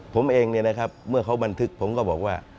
ผมเองเนี่ยนะครับเมื่อเขาบันทึกผมก็บอกว่า